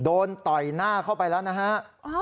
โดนต่อยหน้าเข้าไปแล้วนะครับ